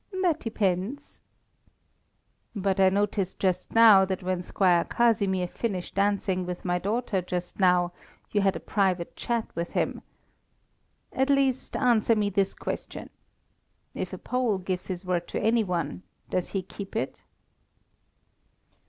"That depends." "But I noticed just now that when Squire Casimir finished dancing with my daughter just now you had a private chat with him. At least answer me this question: if a Pole gives his word to any one, does he keep it?"